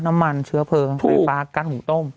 น้ำมันเชื้อเพลิงไฟฟ้ากั้นหุงต้ม